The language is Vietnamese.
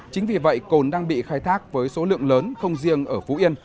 chính vì vậy cồn đang bị khai thác với số lượng lớn không riêng ở phú yên